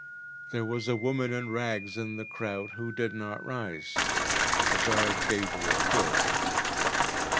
There was a woman in rags in the crowd who did not rise. The guard gave her a push.